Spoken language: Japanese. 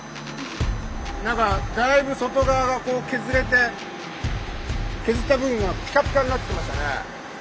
なんかだいぶ外側がこう削れて削った部分がピカピカになってきましたね。